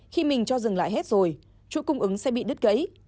khi mình cho dừng lại hết rồi chuỗi cung ứng sẽ bị đứt gãy